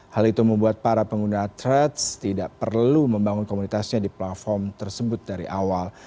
hal itu membuat para pengguna threads tidak perlu membangun komunitasnya di platform tersebut dari awal